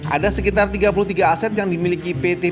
ada sekitar tiga puluh tiga aset yang dimiliki pt